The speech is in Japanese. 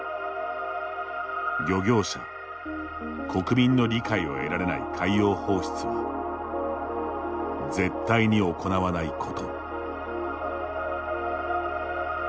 漁業者、国民の理解を得られない海洋放出は絶対に行わない事。